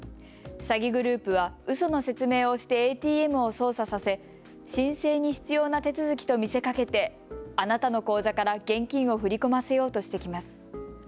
詐欺グループはうその説明をしてＡＴＭを操作させ申請に必要な手続きと見せかけてあなたの口座から現金を振り込ませようとしてきます。